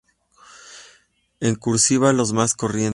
En "cursiva", los más corrientes.